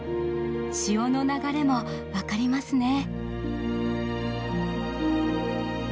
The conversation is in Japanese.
潮の流れも分かりますね。